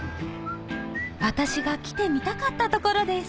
私が来てみたかった所です